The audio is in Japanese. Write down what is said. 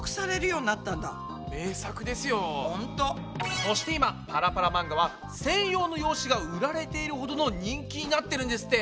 そして今パラパラ漫画は専用の用紙が売られているほどの人気になってるんですって。